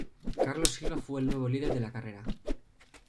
Carlos Silva fue el nuevo líder de la carrera.